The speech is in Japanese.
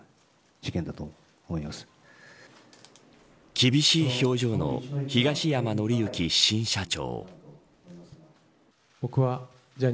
厳しい表情の東山紀之新社長。